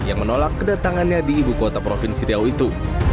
yang menolak kedatangannya di ibu kota provinsi riau itu